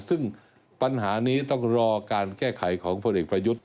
ซึ่งปัญหานี้ต้องรอการแก้ไขของพลเอกประยุทธ์